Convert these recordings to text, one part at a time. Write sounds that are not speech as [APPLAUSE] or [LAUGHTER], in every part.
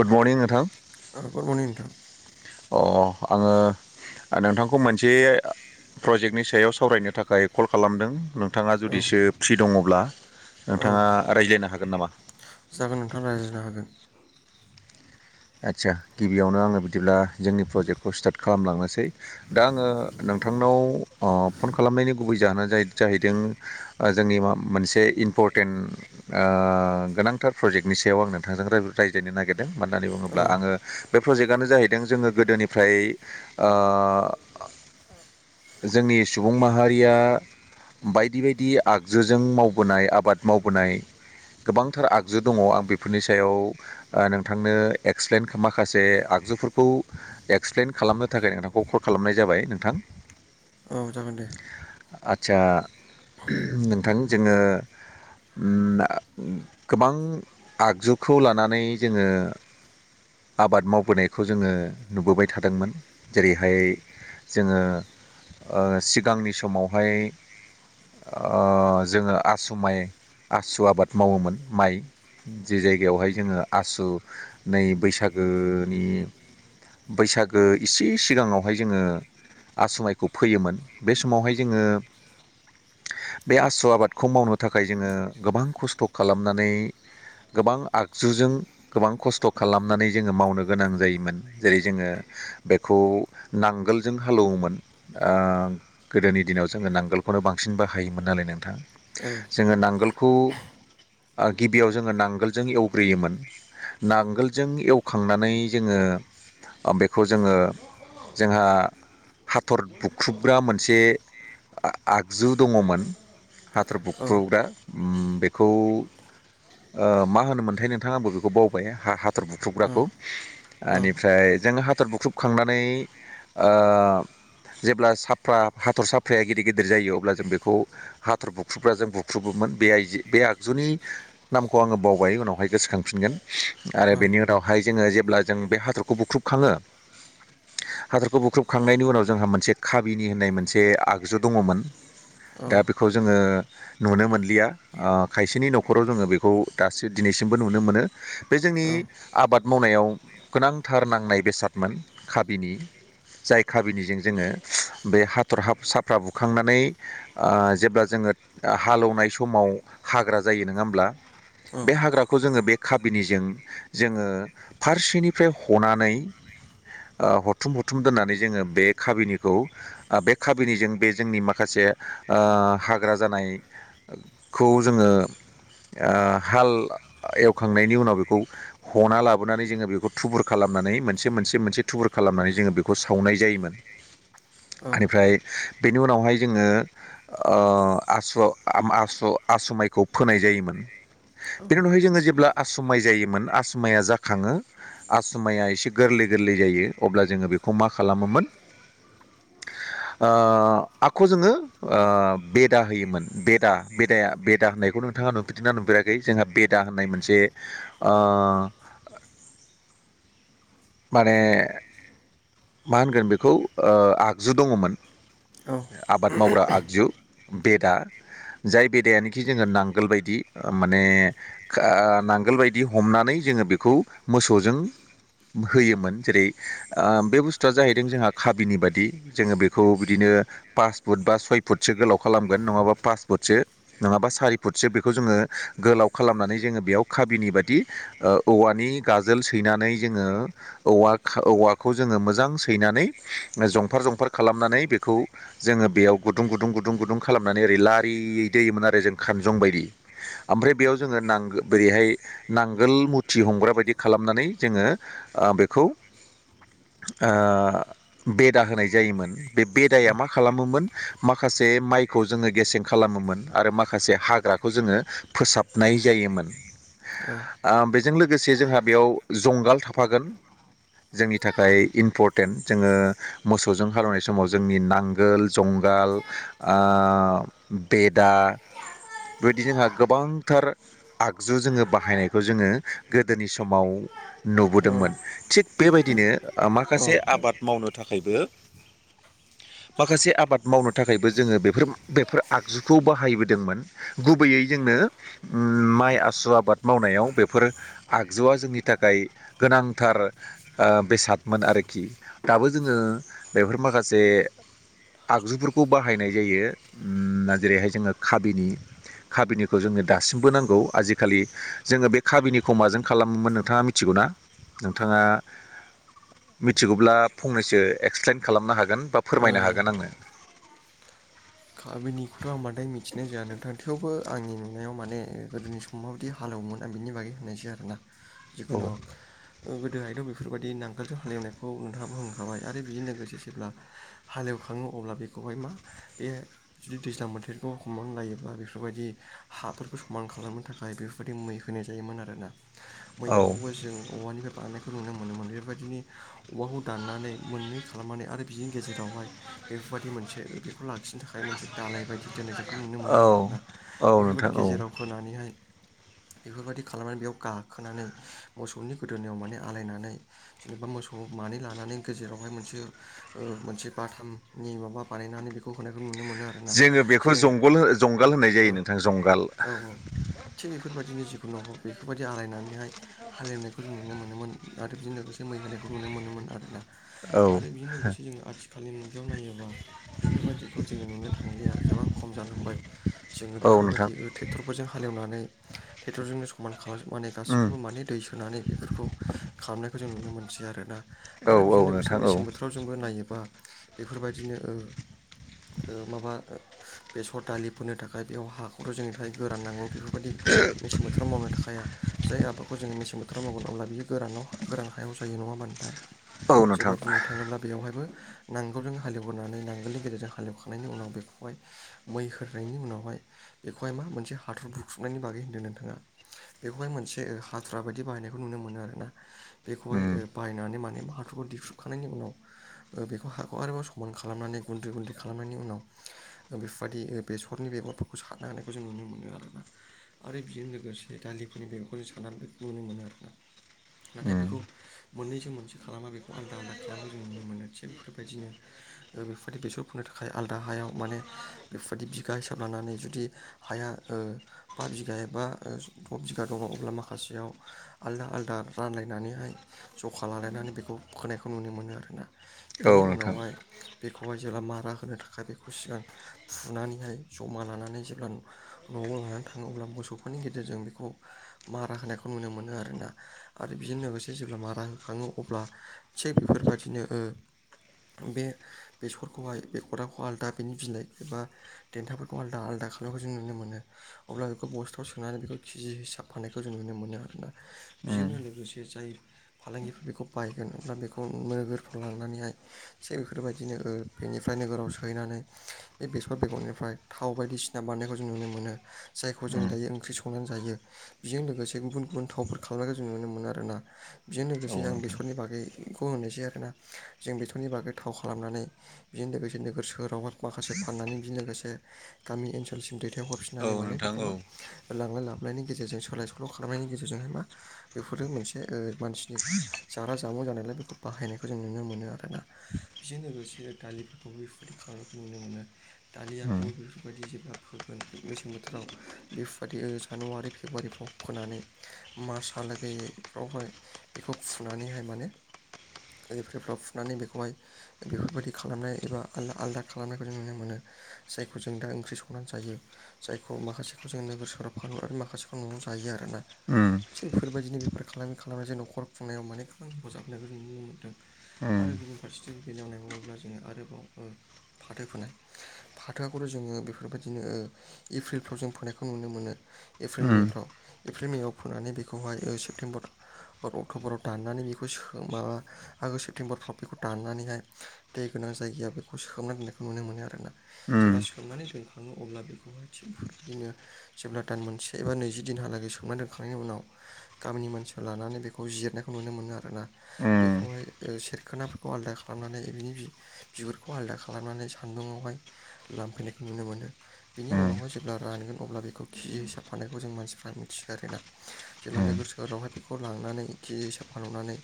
Good morning नोंथां ओ good morning नोंथां अ आङो नोंथांखौ मोनसे ओ प्रजेक्टनि सायाव सावरायनो थाखाय कल खालामदों नोंथाङा औ जुदिसो फ्रि दङब्ला‌ औ नोंथाङा रायज्लायनो हागोन नामा? जागोन नोंथां रायज्लायनो हागोन आदसा गिबियावनो आं बिदिबा जोंनि प्रज्केटखौ स्टार्ट खालामलांनोसै दा आङो नोंथांनाव ओ फन खालामनायनि गुबै जाहोनानो जा-जाहैदों ओ जोंनि मा मोनसे इम्परटेन ओ गोनांथार प्रजेक्टनि सायाव आं नोंथांजों राय-रायज्लायनो नागिरदों मानोना होनना औ बे प्रजेक्टआनो जाहैदों जोङो गोदोनिफ्राय ओ जोंनि सुबुं माहारिया बायदि बायदि आगजुजों मावबोनाय आबाद मावबोनाय गोबांथार आगजु दङ आं बेफोरनि सायाव ओ नोंथांनो एक्सप्लेन माखासे आगजुफोरखौ एक्सप्लेन खालामनो थाखाय नोंथांखौ कल खालामनाय जाबाय नोंथां औ जागोन दे आदसा नोंथां जोङो उम गोबां आगजुखौ लानानै जोङो आबाद मावबोनायखौ जोङो नुबोबाय थादोंमोन जेरैहाय जोङो ओ सिगांनि समावहाय ओ जोङो आसु माइ आसु आबाद मावोमोन माइ जे जायगायावहाय जोङो आसु नै बैसागोनि बैसागो इसे सिगाङावहाय जोङो आसु माइखौ फैयोमोन बे समावहाय जोङो बे आसु आबादखौ मावनो थाखाय जोङो गोबां खस्थ' खालामनानै गोबां आगजुजों गोबां खस्थ' खालामनानै जोङो मावनो गोनां जायोमोन जेरै जोङो बेखौ नांगोलजों हालौवोमोन ओ गोदोनि दिनाव जोङो नांगोलखौनो बांसिन बाहायोमोन नालाय नोंथां औ जोङो नांगोलखौ ओ गिबियाव जोङो नांगोलजों एवग्रोयोमोन नांगोलजों एवखांनानै जोङो बेखौ जोङो जोंहा हाथर बुख्रुबग्रा मोनसे आ-आगजु दङमोन हाथर औ बुख्रुबग्रा बेखौ ओ मा होनोमोन मोनथाय नोंथां आंबो बेखौ बावबाय आं हाथर औ बुख्रुबग्राखौ औ एनिफ्राय जों हाथर बुख्रुबखांनानै ओ जेब्ला साफ्रा हाथर साफ्राया गिदिर गिदिर जायो अब्ला जों बेखौ हाथर बुख्रुबग्राजों बुख्रुबोमोन बे आइजे बे आगजुनि नामखौ आङो बावबाय उनावहाय गोसोखांफिनगोन आरो बेनि उनावहाय जोङो जेब्ला जों बे हाथरखौ बुख्रुबखाङो हादरखौ बुख्रुबखांनायनि उनाव जोंहा मोनसे काबिनि होननाय मोनसे आगजु दङमोन औ दा बेखौ जोङो नुनो मोनलिया ओ खायसेनि नखराव जोङो बेखौ दासो दिनैसिमबो नुनो मोनो बे जोंनि आबाद मावनायाव गोनांथार नांनाय बेसादमोन काबिनि जाय खाबिनिजों जोङो बे हाथर ह साफ्रा बुखांनानै आं जेब्ला जोङो हालेवनाय समाव हाग्रा जायो नङा होमब्ला बे हाग्राखौ जोङो बे खाबिनिजों जोङो फारसेनिफ्राय हनानै हरथुम हरथुम दोननानै जोङो बे खाबिनिखौ बे खाबिनिजों बे जोंनि माखासे हाग्रा जानाय खौ जोङो हाल खांनायनि उनाव बेखौ हना लाबोनानै जोङो बेखौ थुबुर खालामनानै मोनसे मोनसे मोनसे थुबुर खालामनानै जोङो बेखौ सावनाय जायोमोन [UNINTELLIGIBLE] औ बेनिफ्राय बेनि उनावहाय जोङो आस आस आसमायखौ फोनाय जायोमोन बेनि उनावहाय जोङो जेब्ला आसमाय जायोमोन आसमया जाखाङो आसमाया एसे गोरलै गोरलै जायो अब्ला जोङो बेखौ मा खालामोमोन [UNINTELLIGIBLE] ओ आखखौ जोङो बेदा होयोमोन बेदा बेदाया बेदा होननायखौ नोंथाङा नु बिदिना नुफेराखै जोंहा बेदा होननाय मोनसे ओ माने मा होनगोन बेखौ आगजु दङमोन औ औ आबाद मावग्रा आगजु बेदा जाय बेदायानोखि जोङो नांगोल बायदि माने नांगोल बायदि हमनानै जोङो बेखौ मोसौजों होयोमोन जेरै बे बुस्ु खस्थुआ जाहैदों जोंहा खाबिनि बादि जोङो बेखौ बिदिनो पास फुट बा सय फुटसो गोलाव खालामगोन नङाबा पास फुटसो नङाबा सारि फुटसो बेखौ जोङो गोलाव खालामनानै जोङो बेयाव खाबिनि बाददि औवानि गाजोल सैनानै जोङो औ औवाखौ जोङो मोजां ों सैनानै जंफार जंफार खालामनानै बेखौ जोङो बेयाव गुदुं गुदुं गुदुं गुदुं खालामनानै ओरै लारियै दैयोमोन आरो जों खानजं बायदि ओमफ्राय बेयाव जोङो नांगोल बोरैहाय नांगोल मुथि हमग्रा बायदि खालामनानै जोङो बेखौ ओ बेदा होनाय जायोमोन बे बेदाया माा खालामोमोन माखासे माइखौ जोङो गेसें खालामोमोन आरो माखासे हाग्राखौ जोङो फोसाब नाय जायोमोन औ बेजों लोगोसे जोंहा बेयाव जंगाल थाफागोन जोंनि थाखाय इम्परटेन्ट जोङो मोसौजों हालौनाय समाव जोंनि नांगोल जुंगाल बेदा बेबायदि जोंहा गोबांथार आगजु जोङो बाहायनायखौ जोङो गोदोनि समाव नुबोदोंमोन थिग बेबायदिनो माखासे आबाद मावनो थाखायबो [INAUDIBLE] माखासे आबाद मावनो थाखायबो जोङो बेफोर बेफोर आगजुखौ बाहायबोदोंमोन गुबैयै जोंनो माइ आसु आबाद मावनायाव बेफोर आगजुआ जोंनि थाखाय गोनांथार जोन [INAUDIBLE] बेसादमोन आरोखि दाबो जोङो बेफोर माखासे आगजुफोरखौ बाहायनाय जायोा जेरैहाय जोङो काबिनि खाबिनिखौ जोंनो दासिमबो नांगौ आजिखालि जोङो बे खाबिनिखौ माजों खालामोमोन नोंथाङा मिथि थिगौना नोंथाङा मिथिगौब्ला फंनैसो एक्सप्लेन खालामनो हागोन बा फोरमायनो हागोन आंनो गामिनिखौथ' आं माद्राय मिथिनाय जाया नोंथांथिवबो आंनि नुनायाव माने गोदोनि सम माबायदि हालेवोमा बिनि बागै होननायसै आरोना औ जिखुनु गोदो आयदायाव बेफोरबायदि नांगोलजों हालेवनायखौ नोंथाङाबो होनखाबाय आरो बेजों लोगोसे जेब्ला हालेवखाङो अब्ला बेखौहाय मा बे जुदि दैज्लां बोथोरखौ हमनानै लायोब्ला बेफोरबायदि हाफोरखौ समान खालामनो थाखाय नाय बेफोरबायदि मै होनाय जायोमोन आरोना [INAUDIBLE] मैयाखौबो जों औवानिफ्राय बाननायखौ नुनो मोनोमोन। बेफोरबायदिनि औवाखौ दाननानै मोननै खालामनानै आरो बिनि गेजेरावहाय बेफोरबायदि मोनसे बेखौ लाखिनो थाखाय मोनसे दालाय बायदि दोन्नाय जायो बेखौ नुनो औ मोनोमोन आरोना। औ नोंथां बेफोरबायदि औ गेजेराव होनानैहाय बेफोरबायाददि खालामनानै बेयाव गाखोनानै मोसौनि गोदोनायाव माने आलायनानै जेनेबा मोसौ मानै लानानै गेजेरावहाय मोनसे ओ मोनसे बाथामनि माबा बानायनानै बे होननायखौ नुनो मोनो आरोना जोङो बेखौ जेरै जंगल जंगाल होननाय औ जायो नोंथां जंगाल औ औ थिग बेफोरबायदिनो जिखुनु हग बेफोरबायदि आलायनानैहाय हालेवनायखौ जों नुनो मोनोमोन आरो बेजों लोगोसे मै होनायखौ नुनो मोनोमोन आरो ना औ आरो बिजों लोगोसे जोङो आथिखालनि मुगायाव नायोब्ला बेफोरबायदिखौ जोङो नुनो थांलिया गोबां खम जालांबाय जोङो औ नोंथां बेफोरबायदि ट्रेक्टरफोरजों हालेवनानै ट्रेक्टरजोंनो समान खालाम जोबनानै उम गासैखौबो माने दै सोनानै बेफोरखौ खालामनायखौ जों नुनो मोनसै आरोना औ आरो औ बेजों लोगोसे नोंथां औ मेसें बोथोराव जोंबो नायोबा बेफोरबायदिनो ओ ओ माबा बेसर दालिफोरो थाखाय बेयाव हाखौथ' जोंनि थाखाय गोरान नांगौ बे बेफोरबायदि मेसें बोथोराव मावनो थाखाया। जाय आबादखौ जोङ मेसें बोथोर बोथार मावगोन अब्ला बियो गोरानाव गोरान हायाव जायो नङा होमबा नोंथां औ जै नोंथां बुंनो थाङोब्ला बेवहायबो नांगोलजों हालेव होनानै नांगोलनि गेजेरजों हालेवखांनायनि उनाव बेखौहाय मै होखांनायनि उनावहाय बेखौहाय मा मोनसे हाथर बुख्रुबनायनि बागै होनदों नोंथाङा बेखौहाय मोनसे हाथुरा बायदि बाहायनायखौ नुनो मोनो आरोना बेखौहाय उम बाहायनानै माने हाथरखौ दिख्रुबखांनायनि उनाव बेखौ हाखौ आरोबाव समान खालामनानै गुन्दै गुन्दै खालामनायनि उनाव बेफोरबायदि बेसरनि बेगरफोरखौ सारनो होनायखौ जों नुनो मोनो आरोना आरो बेजों लोगोसे दालिफोरनि बेगरखौ जों सारनानै नुनो मोनो आरोना नाथाय उम बेखौ मोननैसो मोनसे खालामा बेखौ आलदा आलदा खालामखौ जों नुनो मोनो थिग बेफोरबायदिनो बेफोरबायदि बेसर बेफोरनो थाखाय आलादा हायाव माने बेफोरबायदि बिगा हिसाब लानानै जुदि हाया ओ बा बिगा एबा द' बिगा दङ अब्ला माखासेयाव आलदा आलादा रानलायनानैहाय जखा लालायनानै बेखौ फोनायखौ नुनो मोनो आरोना औ बिनि नोंथां उनावहाय खौहाय जेब्ला मारा होनो थाखाय बेखौ सिगां फुनानैहाय जमा लानानै जेब्ला न'आव लानानै थाङोब्ला मोसौफोरनि गेजेरजों बेखौ मारा होनायखौ नुनो मोनो आरोना आरो बेजों लोगोसे जेब्ला मारा होखाङो अब्ला थिग बेफोरबायदिनो ओ बे बेसरखौहाय बे अराखौ आलदा बेनि बिलाइ एबा देन्थाफोरखौ आलदा आलादा खालामनायखौ जों नुनो मोनो अब्ला बेखौ बस्थाव सोनानै बेखौ केजि हिसाब फाननायखौ जों नुनो मोनो आरोना। उम बेजोंनो लोगोसे जाय फालांगिफोर बेखौ बायगोन अब्ला बेखौ नोगोरफ्राव लांनानैहाय से बेफोरबायदि बिदिनो ओ बेनिफ्राय नोगोराव सोहैनानै बे बेसर बेगरनिफ्राय थाव बायदिसिना बानायनायखौ जों नुनो मोनो जायखौ जों उम दायो ओंख्रि संनानै जायो। बेजों लोगोसे गुबुन गुबुन थावफोर खालामनायखौ जों नुनो मोनो आरोना बेजों औ लोगोसे आं नोंथां बेसरनि बागै खौ होनोसै आरो ना जों बेसरनि बागै थाव खालामनानै बेजों लोगोसे नोगोर सोहोरावहाय माखासे फाननानै बेजों लोगोसे गामि ओनसोलसिम दैथाय औ हरफिननानै माने नोंथां बेखौ औ मा? लांलाय लाबलायनि गेजेरजों सोलाय सोल' खालामनायनि गेजेरजोंहाय मा? बेफोरो मोनसे मानसिनि जाग्रा जामुं जानायलाय बेखौ बाहायनायखौ जों नुनो मोनो आरो ना। बेजों लोगोसे दालिफोरखौबो बेफोरबायदि खालामनायखौ नुनो मोनो। उम दालियाखौबो बेफोरबायदि जेब्ला फोगोन मेसें बोथोराव बेफोरबायदि जानुवारि फेब्रुवारिफ्राव फोनानै मारसाल गैयैफ्रावहाय बेखौ फुनानैहाय माने गैफोरफ्राव फुनानै बेखौहाय बेफोरबायाददि खालामनाय एबा आलदा आलदा खालामनायखौ जों नुनो मोनो। जायखौ जों दा ओंख्रि संनानै जायो। जायखौ माखासेखौ जोंङ नोगोर सहाव फानर आरो माखासेफ न'आव जायो आरोना। [UNINTELLIGIBLE] बेफोरबायदिनो बेफार खालामै खालामनानै ज न'खर खुंनायाव माने खामानििखौजाबनायखौ जों नुनो मोन्दों। आरो उम गुबुन फारसेथिं बेलायाव नायबावोब्ला जोङो आरोबाव ओ फाथो फोनाय फाथोआखौथ' जोङो बेफोरबायदिनो एप्रिलफ्राव जों फोननायखौ नुनो मोनो एप्रिल उम मेफ्राव। एप्रिल मेआव फोंनानै बेखौहाय सेप्तेम्बर अक्ट'बराव दाननानै बेखौ माबा आगष्ट सेप्तेम्बरफ्राव बेखौ दाननानैहाय दै गोनां जायगाया बेखौ सखोमना दोननायखौ नुनो मोनो आरोना जेब्ला उम सोमनानै दोन थाङो अब्ला बेखौहाय थिग बेफोरबायदिनो जेब्ला दान मोनसे एबा नैजि दिनहालागै सोंना दोनखांनायनि उनाव गामिनि मानसिफोर लानानै बेखौ जिरनायखौ नुनो मोनो आरोना। उम बेखौहाय सेरखोनाफोरखौ आलदा खालाम खालामनानै बिनि बिगुरखौ आलदा खालामनानै सान्दुुंावहाय लामफैनायखौ नुनो मोनो। बिनि उनावहाय जेब्ला रानगोन अब्ला बेखौ केिजि हिसाब फानानायखौ जों मानसिफ्रा मिथियो आरोना। जेब्ला उम उम नोगोर सोहोरावहाय बेखौ लांनानै खिज हिसा फानहुनानै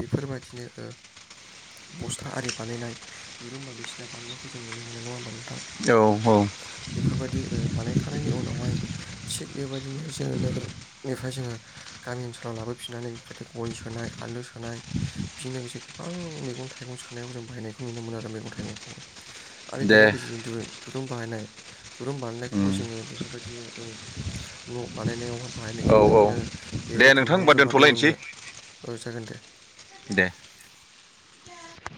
बेफोरबायदिनो बस्था आरि बानायनाय दुरुं बायदिसिना बानायनायखौ जों नुनो मोनो नङा होमबा नोंथां? औ औ। बेफोरबायदि बानायखानायनायनि उनावहाय थिग बेबायदिनो जोङो नोगोरनिफ्राय जोङो गामि ओनसोलाव लाबोफिननानै बेफोरबायदि गय सोनाय आलु सोनाय बेजों लोगोसे गोबां मग मैगं थाइगं सोनायाव जों बायनायखौ नुनो मोनो आरो मैगं थाइगंखौहाय आरो दे बेनि गेजेरजों दुरुं बाहायनाय दुरुं बानायनायखौबो उम जोङो बेफोरबायदिनो न' बानायनायाव बाहायनायखौ औ नुनो औ मोनो दे बेरा नोंथां होनबा थुमनायाव जों बानाय नुनो दोनथ'लायनोसै मोनो औ जागोन दे। दे। [UNINTELLIGIBLE]